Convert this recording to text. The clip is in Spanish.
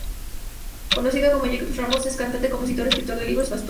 Conocido como Jacobo Ramos es cantante, compositor, escritor de libros y pastor.